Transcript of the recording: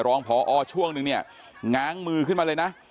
รองพอช่วงนึงเนี่ยง้างมือขึ้นมาเลยนะ